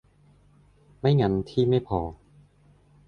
ไม่งั้นที่ไม่พอ